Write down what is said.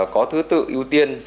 có thứ tự ưu tiên